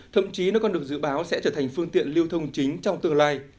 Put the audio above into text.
thậm chí nó còn được dự báo sẽ trở thành phương tiện lưu thông chính trong tương lai